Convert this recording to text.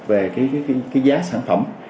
về giá sản phẩm